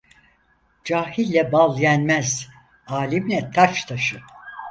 Cahille bal yenmez! Alimle taş taşı!